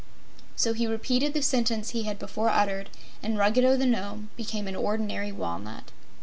So he repeated the sentence he had before uttered and Ruggedo the Nome became an ordinary walnut.